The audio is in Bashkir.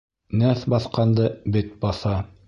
Нәҫбаҫҡанды бет баҫа.